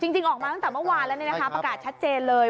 จริงออกมาตั้งแต่เมื่อวานแล้วประกาศชัดเจนเลย